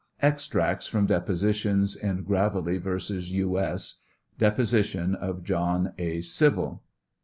Extracts from Depositions in Graveley vs. TJ. S. Deposition of John A. Civil.